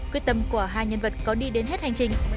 quyết tâm của hai nhân vật có đi đến hết hành trình